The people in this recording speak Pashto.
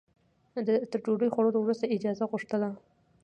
تر ډوډۍ خوړلو وروسته اجازه غوښتله.